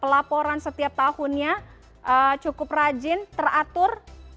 pelaporan setiap tahunnya cukup rajin teratur